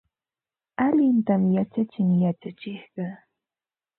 Allintam yachachin yachachiqqa.